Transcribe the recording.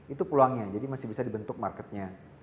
itu peluangnya jadi masih bisa dibentuk marketnya